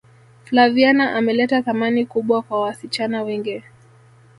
flaviana ameleta thamani kubwa kwa wasichana wengi